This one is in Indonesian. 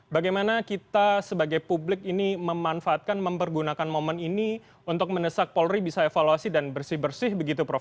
bagaimana kita sebagai publik ini memanfaatkan mempergunakan momen ini untuk mendesak polri bisa evaluasi dan bersih bersih begitu prof